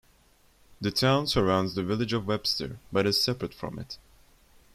The town surrounds the village of Webster but is separate from it.